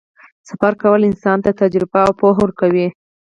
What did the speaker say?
سفر کول انسان ته تجربه او پوهه ورکوي.